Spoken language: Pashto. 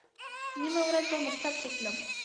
نیمه ورځ به مکتب ته تلم.